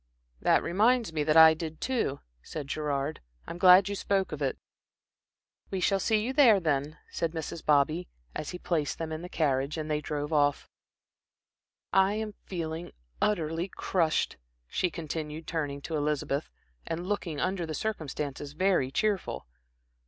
"That reminds me that I did too," said Gerard. "I'm glad you spoke of it." "We shall see you there, then," said Mrs. Bobby, as he placed them in the carriage, and they drove off. "I am feeling utterly crushed," she continued, turning to Elizabeth, and looking under the circumstances, very cheerful.